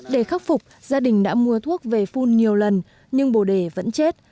để khắc phục gia đình đã mua thuốc về phun nhiều lần nhưng bồ đề vẫn chết